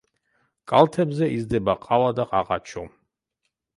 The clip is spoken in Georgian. კალთებზე იზრდება ყავა და ყაყაჩო.